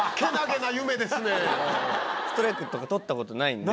ストライクとか取ったことないんで。